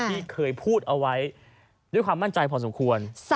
ที่เคยพูดเอาไว้ด้วยความมั่นใจพอสมควร